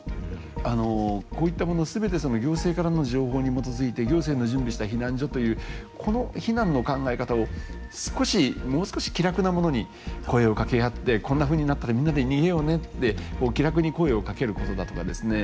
あのこういったもの全て行政からの情報に基づいて行政の準備した避難所というこの避難の考え方を少しもう少し気楽なものに声をかけ合ってこんなふうになったらみんなで逃げようねって気楽に声をかけることだとかですね